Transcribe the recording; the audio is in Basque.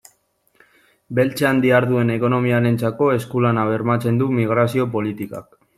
Beltzean diharduen ekonomiarentzako esku-lana bermatzen du migrazio politikak.